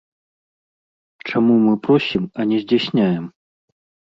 Чаму мы просім, а не здзяйсняем?